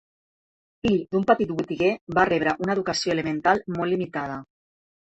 Fill d'un petit botiguer, va rebre una educació elemental molt limitada.